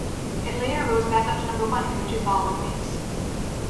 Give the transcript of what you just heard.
It later rose back up to number one for the two following weeks.